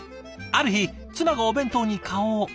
ある日妻がお弁当に顔を。